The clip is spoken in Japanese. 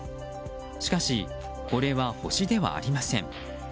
しかしこれは星ではありません。